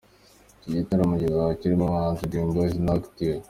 Iki gitaramo kizaba kirimo abahanzi Dream Boyz na Active.